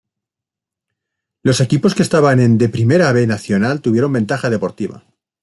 Los equipos que estaban en de Primera B Nacional tuvieron ventaja deportiva.